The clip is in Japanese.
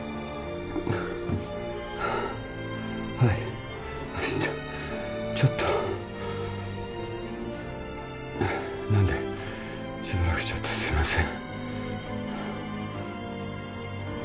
ハアはいちょちょっとなんでしばらくちょっとすいません